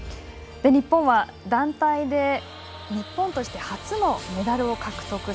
日本は団体で日本としての初のメダルを獲得。